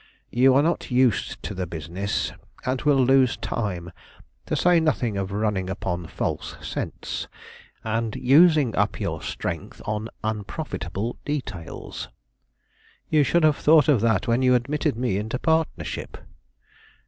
You are not used to the business, and will lose time, to say nothing of running upon false scents, and using up your strength on unprofitable details." "You should have thought of that when you admitted me into partnership."